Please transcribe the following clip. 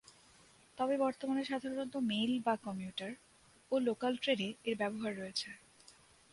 তবে বর্তমানে সাধারণত মেইল/কমিউটার ও লোকাল ট্রেনে এর ব্যবহার রয়েছে।